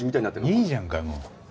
いいじゃんかもう。